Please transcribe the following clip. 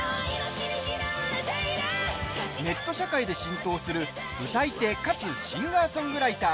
ネット社会で浸透する歌い手かつシンガーソングライター